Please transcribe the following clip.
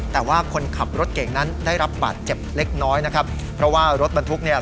แต่ว่าคนขับรถเก่งนั้นได้รับบาดเจ็บเล็กน้อยนะครับเพราะว่ารถบรรทุกเนี่ย